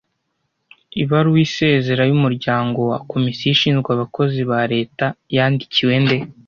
Ibaruwa isezera y’umunyamuryango wa komisiyo ishinzwe abakozi ba Leta yandikiwe nde